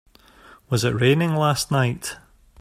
Was it raining last night?